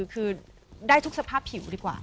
คือได้ทุกสภาพผิวดีกว่า